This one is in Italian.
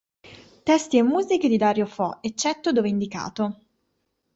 Testi e musiche di Dario Fo, eccetto dove indicato.